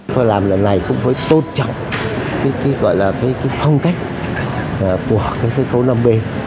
tôi làm lần này cũng với tôn trọng cái gọi là cái phong cách của cái sân khấu năm b